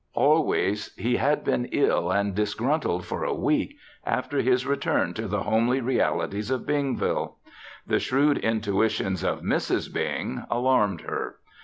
Always he had been ill and disgruntled for a week after his return to the homely realities of Bingville. The shrewd intuitions of Mrs. Bing alarmed her.